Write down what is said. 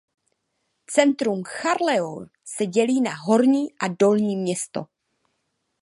Centrum Charleroi se dělí na "Horní" a "Dolní město".